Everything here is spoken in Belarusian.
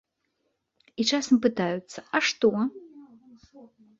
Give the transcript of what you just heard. І часам пытаюцца, а што?